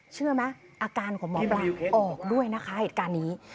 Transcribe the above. เชื่อไหมอาการของหมอปลาออกด้วยนะคะเหตุการณ์นี้